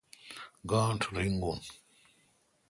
گانٹھ رینگون؟